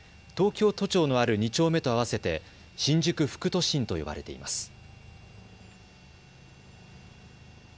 東京都庁のある２丁目と合わせて新宿副都心と呼ばれています。